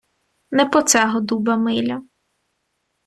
Не по цего дуба миля.